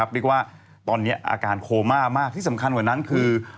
เรียกว่าตอนนี้อาการโคม่ามากที่สำคัญกว่านั้นคือ